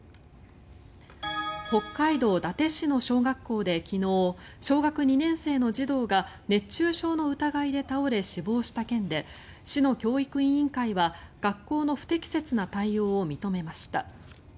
北海道伊達市の小学校で昨日小学２年生の児童が熱中症の疑いで倒れ死亡した件で市の教育委員会は学校の不適切な対応を認めました。